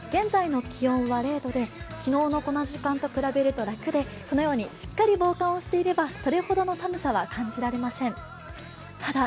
現在の気温は０度で昨日のこの時間と比べると楽で、このようにしっかり防寒をしていれば、それほどの寒さは感じられません。